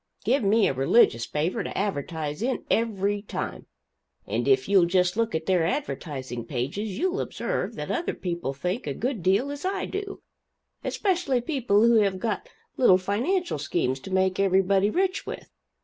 Give me a religious paper to advertise in, every time; and if you'll just look at their advertising pages, you'll observe that other people think a good deal as I do especially people who have got little financial schemes to make everybody rich with.